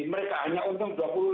mereka hanya untuk